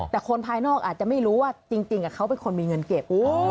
แต่คนภายนอกอาจจะไม่รู้ว่าจริงเขาเป็นคนมีเงินเก็บ